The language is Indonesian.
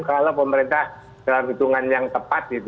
kalau pemerintah dalam hitungan yang tepat